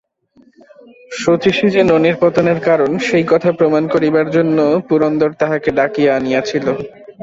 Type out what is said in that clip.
শচীশই যে ননির পতনের কারণ সেই কথা প্রমাণ করিবার জন্য পুরন্দর তাহাকে ডাকিয়া আনিয়াছিল।